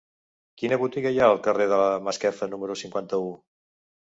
Quina botiga hi ha al carrer de Masquefa número cinquanta-u?